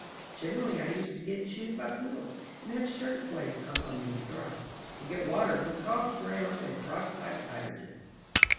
Generally I used to get chewed by poodles and have shirt waists hung on me to dry, and get watered with coffee grounds and peroxide of hydrogen.